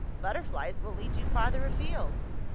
"Butterflies will lead you farther afield."